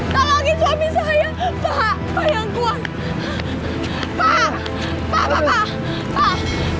tolongin suami saya pak yang kuat pak pak pak pak pak